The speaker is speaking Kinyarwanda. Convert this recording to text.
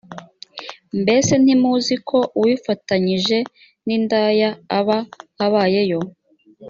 mbese ntimuzi ko uwifatanyije n indaya aba abayeyo.